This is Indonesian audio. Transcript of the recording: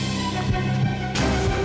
m besar ya